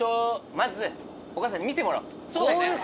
まずお母さんに見てもらおう。